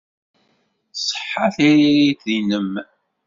Tṣeḥḥa tririt-nnem.